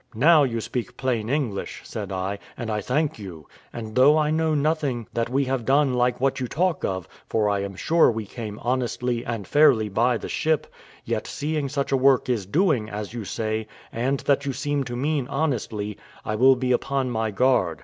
"Now you speak plain English," said I, "and I thank you; and though I know nothing that we have done like what you talk of, for I am sure we came honestly and fairly by the ship; yet seeing such a work is doing, as you say, and that you seem to mean honestly, I will be upon my guard."